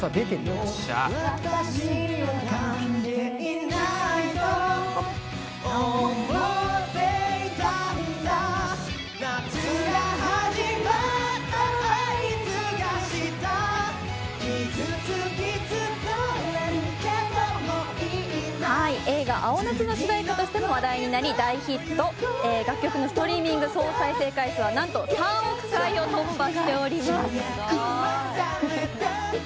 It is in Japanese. よっしゃ映画「青夏」の主題歌としても話題になり大ヒット楽曲のストリーミング総再生回数はなんと３億回を突破しております